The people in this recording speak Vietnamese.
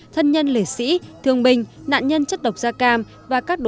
thân nhân liệt sĩ thương binh nạn nhân chất độc da cam và các đối tượng có hoàn cảnh đặc biệt